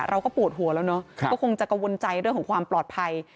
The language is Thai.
เราก็ปวดหัวแล้วเนาะก็คงจะกังวลใจเรื่องของความปลอดภัย